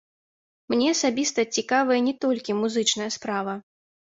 Мне асабіста цікавая не толькі музычная справа.